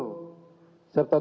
serta terlibat di sekolah